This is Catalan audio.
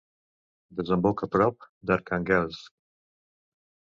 Desemboca prop d'Arkhànguelsk.